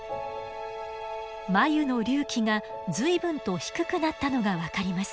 眉の隆起が随分と低くなったのが分かります。